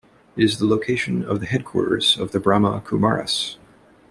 It is the location of the headquarters of the Brahma Kumaris.